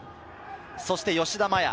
そして吉田麻也。